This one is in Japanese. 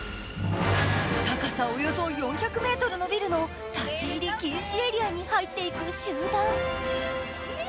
高さおよそ４００ｍのビルの立ち入り禁止にエリアに入っていく集団。